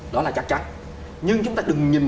đó là chắc chắn nhưng chúng ta đừng nhìn